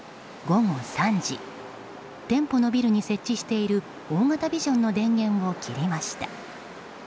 午後３時店舗のビルに設置している大型ビジョンの電源を切りました。